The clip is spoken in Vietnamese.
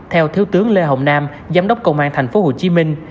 theo thiếu tướng lê hồng nam giám đốc công an thành phố hồ chí minh